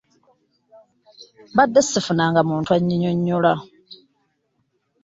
Mbadde ssifunanga muntu annyinyonnyola.